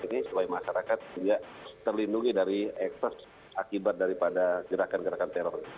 ini supaya masyarakat juga terlindungi dari ekses akibat daripada gerakan gerakan teror